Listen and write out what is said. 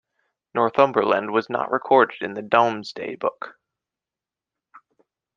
Northumberland was not recorded in the Domesday Book.